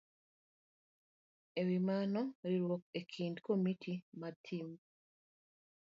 E wi mano, riwruok e kind komiti mar timb